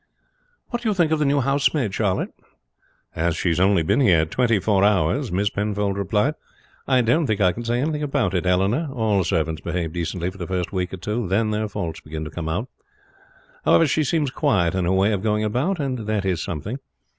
"What do you think of the new housemaid, Charlotte?" "As she has only been here twenty four hours," Miss Penfold replied, "I don't think I can say anything about it, Eleanor. All servants behave decently for the first week or two, then their faults begin to come out. However, she seems quiet in her way of going about, and that is something.